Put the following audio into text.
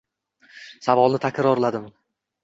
Savolni takrorladim